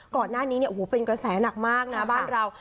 ก่อนหน้านี้เนี่ยโอ้โหเป็นกระแสหนักมากนะบ้านเรา